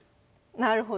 なるほど。